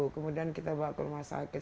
kemudian kita bawa ke rumah sakit